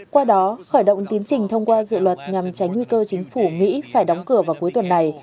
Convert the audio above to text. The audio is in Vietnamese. qua đó khởi động tiến trình thông qua dự luật nhằm tránh nguy cơ chính phủ mỹ phải đóng cửa vào cuối tuần này